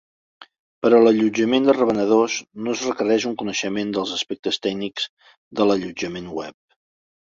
Per a l'allotjament de revenedors no es requereix un coneixement dels aspectes tècnics de l'allotjament web.